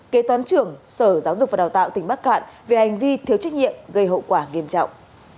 kế toán trưởng sở giáo dục và đào tạo tỉnh bắc cạn về hành vi thiếu trách nhiệm gây hậu quả nghiêm trọng